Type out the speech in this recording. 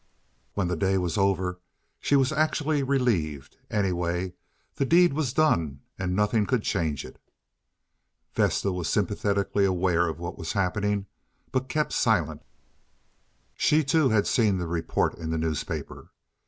When the day was over she was actually relieved; anyway, the deed was done and nothing could change it. Vesta was sympathetically aware of what was happening, but kept silent. She too had seen the report in the newspaper.